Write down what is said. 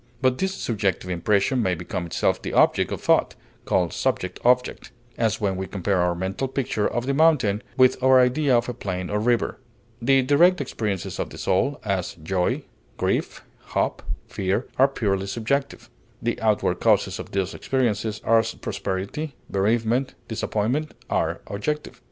But this subjective impression may become itself the object of thought (called "subject object"), as when we compare our mental picture of the mountain with our idea of a plain or river. The direct experiences of the soul, as joy, grief, hope, fear, are purely subjective; the outward causes of these experiences, as prosperity, bereavement, disappointment, are objective.